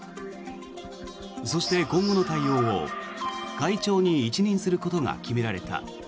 そして、今後の対応を会長に一任することが決められた。